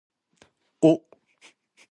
お